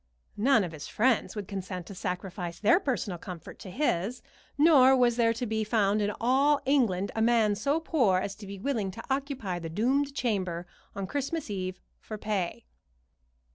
None of his friends would consent to sacrifice their personal comfort to his, nor was there to be found in all England a man so poor as to be willing to occupy the doomed chamber on Christmas Eve for pay.